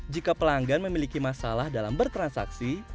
jika pelanggan memiliki masalah dalam bertransaksi